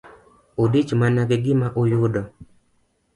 Udich mana gi gima uyudo.